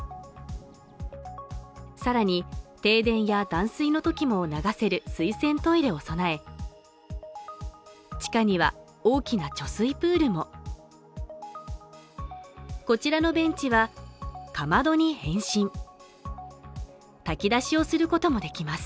さらに停電や断水のときも流せる水洗トイレを備え地下には大きな貯水プールもこちらのベンチはかまどに変身炊き出しをすることもできます